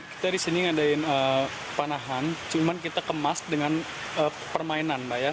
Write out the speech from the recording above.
kita di sini ngadain panahan cuma kita kemas dengan permainan